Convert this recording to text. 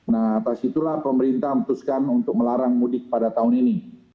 nah atas itulah pemerintah memutuskan untuk melarang mudik pada tahun ini